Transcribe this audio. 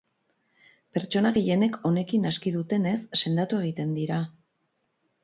Pertsona gehienek honekin aski dutenez, sendatu egiten dira.